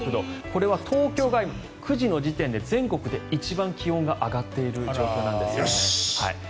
これは東京が９時の時点で全国で一番気温が上がっている状況なんですね。